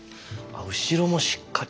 後ろもしっかり。